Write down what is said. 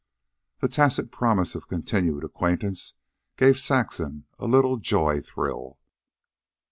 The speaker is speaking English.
This tacit promise of continued acquaintance gave Saxon a little joy thrill.